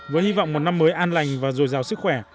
với hy vọng một năm mới an lành và dồi dào sức khỏe